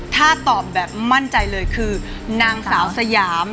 ถ้าตอบแบบมั่นใจเลยคือนางสาวสยาม